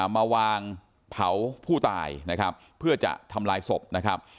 มาวางเผาผู้ตายนะครับเพื่อจะทำลายศพนะครับ